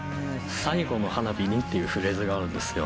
最後の花火にっていうフレーズがあるんですよ。